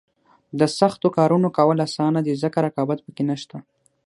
د سختو کارونو کول اسانه دي ځکه رقابت پکې نشته.